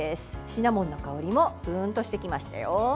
シナモンの香りもぷーんとしてきましたよ。